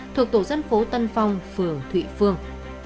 thuộc tổ dân phố tân phong phường thụy phương